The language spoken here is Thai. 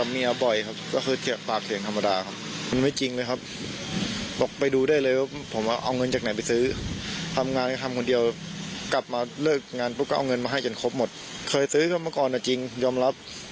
แม่ดรกล่าวก็ไม่รู้แล้วเชื่อใคร